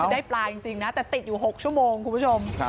ได้ปลาจริงนะแต่ติดอยู่๖ชั่วโมงคุณผู้ชม